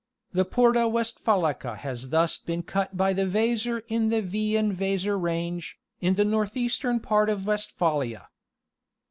The Porta Westphalica has thus been cut by the Weser in the Wiehen Weser range, in the northeastern part of Westphalia.